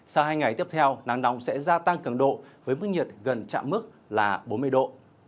sau hai ngày tiếp theo nắng nóng sẽ gia tăng cường độ với mức nhiệt gần chạm mức là bốn mươi độ